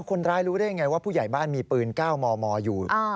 คนร้ายรู้ได้ยังไงว่าผู้ใหญ่บ้านมีปืน๙มมอยู่